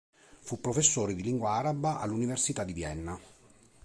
Fu professore di Lingua araba all'Università di Vienna.